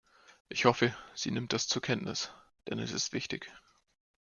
Ich hoffe, sie nimmt das zur Kenntnis, denn es ist wichtig.